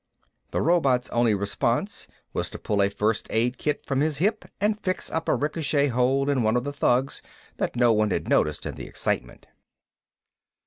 The robot's only response was to pull a first aid kit from his hip and fix up a ricochet hole in one of the thugs that no one had noticed in the excitement.